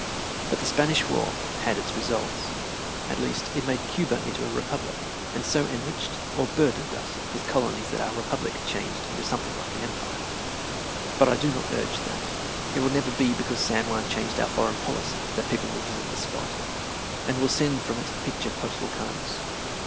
But the Spanish War had its results. At least it made Cuba into a republic, and so enriched or burdened us with colonies that our republic changed into something like an empire. But I do not urge that. It will never be because San Juan changed our foreign policy that people will visit the spot, and will send from it picture postal cards.